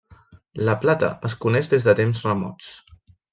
La plata es coneix des de temps remots.